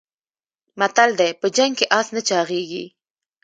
متل دی: په جنګ کې اس نه چاغېږي.